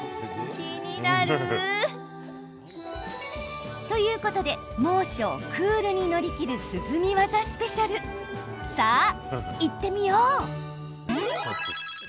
気になる！ということで猛暑をクールに乗り切る涼み技スペシャルさあ、いってみよう！